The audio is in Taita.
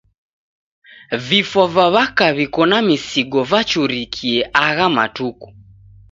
Vifwa va w'aka w'iko na misigo vachurukie agha matuku.